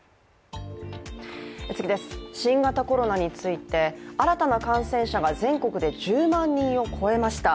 新型コロナについて、新たな感染者が全国で１０万人を超えました。